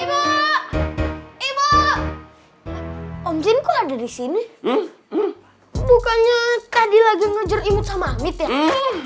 ibu ibu om jin kok ada di sini bukannya tadi lagi ngejar imut sama amit ya